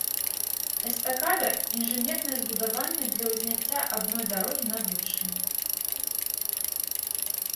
Эстакада — інжынернае збудаванне для ўзняцця адной дарогі над іншай